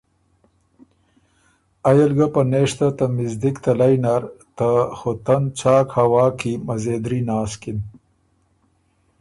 ائ ال ګه پنېشته ته مِزدِک تَلئ نر ته خُوتن څاک هوا کی مزېدري ناسکِن